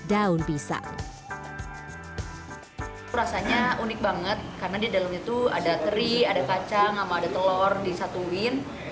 daun pisang rasanya unik banget karena di dalam itu ada teri ada kacang sama ada telur disatuin